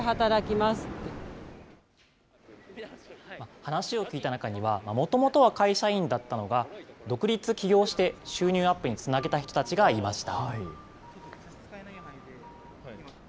話を聞いた中には、もともとは会社員だったのが、独立起業して収入アップにつなげた人たちがいました。